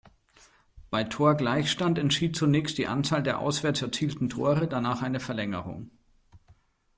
Bei Torgleichstand entschied zunächst die Anzahl der Auswärts erzielten Tore, danach eine Verlängerung.